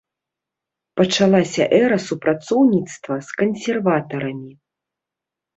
Пачалася эра супрацоўніцтва з кансерватарамі.